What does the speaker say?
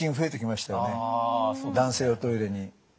男性用トイレに。